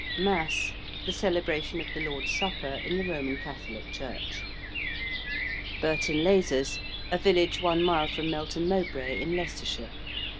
~Mass~: the celebration of the Lord's Supper in the Roman Catholic Church. ~Burton Lazars~: a village one mile from Melton Mowbray, in Leicestershire.